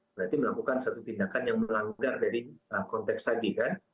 berarti melakukan satu tindakan yang melanggar dari konteks tadi kan